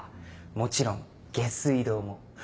もちろん下水道も。